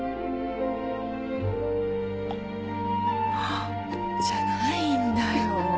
「あっ」じゃないんだよ。